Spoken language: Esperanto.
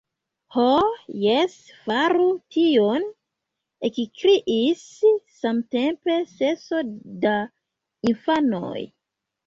— Ho, jes, faru tion, — ekkriis samtempe seso da infanoj.